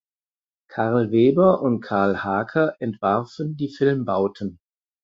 Karl Weber und Carl Haacker entwarfen die Filmbauten.